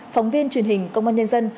phóng viên truyền hình công an nhân dân